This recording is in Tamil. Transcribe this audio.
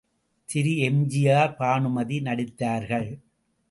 திரு எம்.ஜி.ஆர். பானுமதி நடித்தார்கள்.